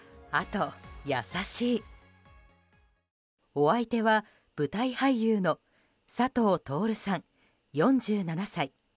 お相手は舞台俳優の佐藤達さん、４７歳。